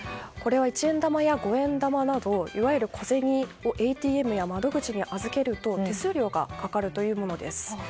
これは一円玉や五円玉などいわゆる小銭をＡＴＭや窓口に預けると手数料がかかるというものです。